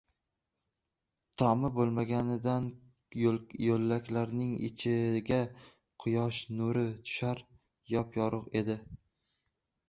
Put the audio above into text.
Tomi boʻlmaganidan yoʻlaklarning ichiga quyosh nuri tushar, yop-yorugʻ edi.